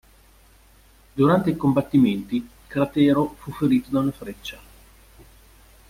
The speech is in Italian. Durante i combattimenti Cratero fu ferito da una freccia.